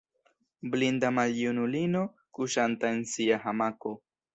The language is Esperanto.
Blinda maljunulino, kuŝanta en sia hamako.